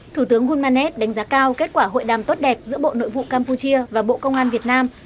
thủ tướng hulmanet đánh giá cao kết quả hội đàm tốt đẹp giữa bộ nội vụ campuchia và bộ công an việt nam